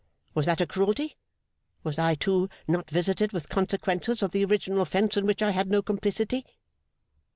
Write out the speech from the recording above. Was that a cruelty? Was I, too, not visited with consequences of the original offence in which I had no complicity?